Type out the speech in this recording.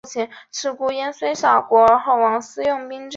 祀四川名宦。